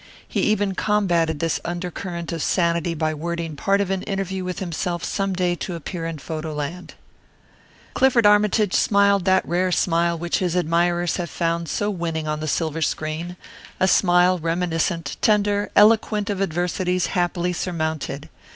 He even combated this undercurrent of sanity by wording part of an interview with himself some day to appear in Photo Land: "Clifford Armytage smiled that rare smile which his admirers have found so winning on the silver screen a smile reminiscent, tender, eloquent of adversities happily surmounted.